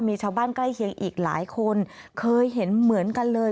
มีชาวบ้านใกล้เคียงอีกหลายคนเคยเห็นเหมือนกันเลย